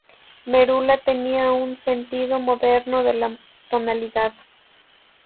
Merula tenía un sentido moderno de la tonalidad.